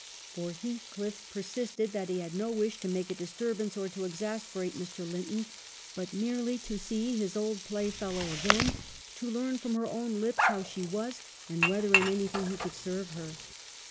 For Heathcliff persisted *WUTHERING HEIGHTS: 2 $9 that he had no wish to make a disturbance, or to exasperate Mr. Linton, but merely to see his old playfellow again, to learn from her own lips how she was, and whether in anything he could serve her.